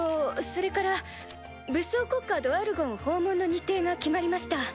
それから武装国家ドワルゴン訪問の日程が決まりました。